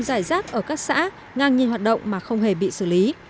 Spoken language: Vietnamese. giải rác ở các xã ngang nhìn hoạt động mà không hề bị xử lý